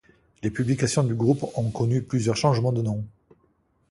Les publications du groupe ont connu plusieurs changements de nom.